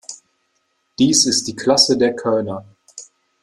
Dies ist die Klasse der Körner.